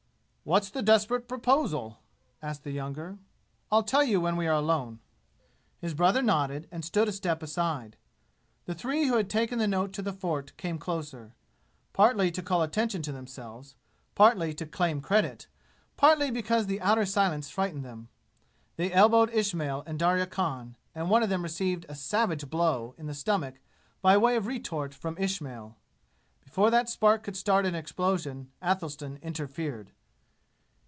"What's the desperate proposal?" asked the younger. "I'll tell you when we are alone." His brother nodded and stood a step aside. The three who had taken the note to the fort came closer partly to call attention to themselves, partly to claim credit, partly because the outer silence frightened them. They elbowed Ismail and Darya Khan, and one of them received a savage blow in the stomach by way of retort from Ismail. Before that spark could start an explosion Athelstan interfered.